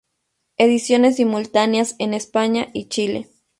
Ediciones simultáneas en España y Chile.